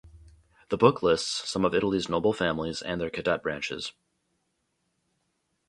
The book lists some of Italy's noble families and their cadet branches.